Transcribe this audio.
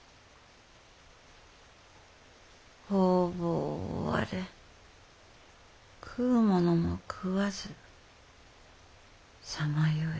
方々を追われ食うものも食わずさまよい。